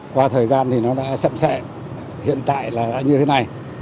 qua thời gian thì nó đã sậm sẹ hiện tại là như thế này